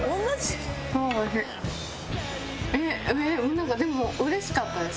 なんかでも嬉しかったです